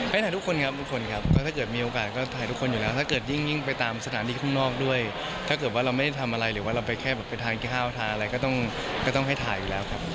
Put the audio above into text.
ถ่ายทุกคนครับทุกคนครับก็ถ้าเกิดมีโอกาสก็ถ่ายทุกคนอยู่แล้วถ้าเกิดยิ่งไปตามสถานที่ข้างนอกด้วยถ้าเกิดว่าเราไม่ได้ทำอะไรหรือว่าเราไปแค่แบบไปทานข้าวทานอะไรก็ต้องให้ถ่ายอยู่แล้วครับ